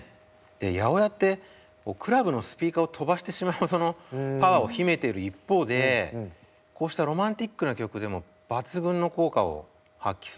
８０８ってクラブのスピーカーを飛ばしてしまうほどのパワーを秘めている一方でこうしたロマンチックな曲でも抜群の効果を発揮するんですよね。